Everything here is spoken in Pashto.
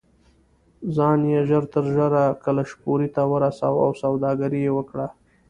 ځان یې ژر تر ژره کلشپورې ته ورساوه او سوداګري یې وکړه.